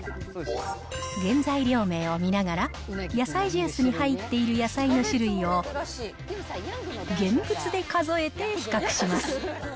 原材料名を見ながら、野菜ジュースに入っている野菜の種類を現物で数えて比較します。